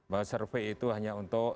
bahwa survei itu hanya untuk